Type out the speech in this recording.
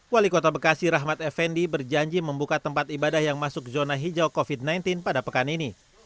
wali kota bekasi rahmat effendi berjanji membuka tempat ibadah yang masuk zona hijau covid sembilan belas pada pekan ini